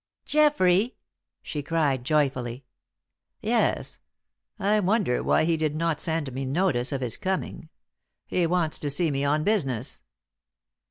"Geoffrey!" she cried, joyfully. "Yes; I wonder why he did not send me notice of his coming. He wants to see me on business.